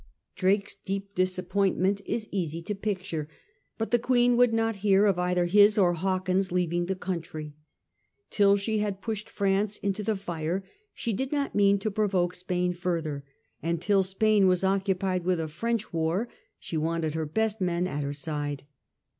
^ Drake's deep disappointment is easy to picture ; but the Queen would not hear of either his or Hawkins's leaving the country. Till she had pushed France into the fire she did not mean to provoke Spain further, and till Spain was occupied with a French war she wanted her best men at her side.